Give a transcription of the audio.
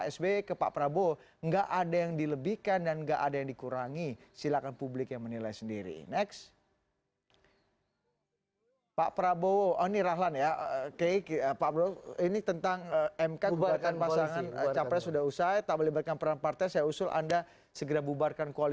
sebenarnya ada tweet baru